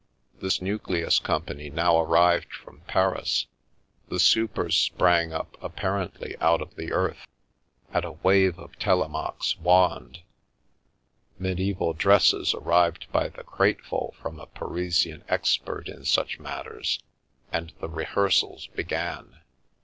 This nucleus company now arrived from Paris, the supers sprang up, apparently, out of the earth, at a wave of Telemaque's wand ; medieval dresses arrived by the crateful from a Parisian expert in such matters, and the rehearsals began.